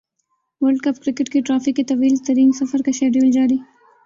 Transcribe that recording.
world cup cricket کی trophy کے طویل ترین سفر کا شیڈول جاری